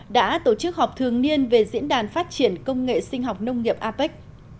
đã tổ chức họp thường niên về diễn đàn phát triển công nghệ sinh học nông nghiệp apec